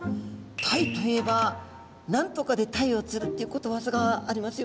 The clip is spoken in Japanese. タイといえば「何とかで鯛を釣る」っていうことわざがありますよね。